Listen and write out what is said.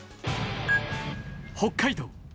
北海道